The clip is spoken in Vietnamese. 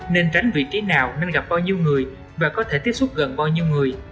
nên tránh vị trí nào nên gặp bao nhiêu người và có thể tiếp xúc gần bao nhiêu người